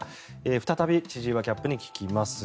再び千々岩キャップに聞きます。